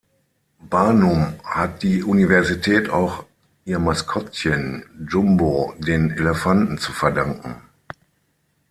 Barnum hat die Universität auch ihr Maskottchen, Jumbo den Elefanten, zu verdanken.